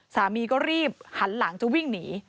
สามีก็รีบหันหลังจะวิ่งหนี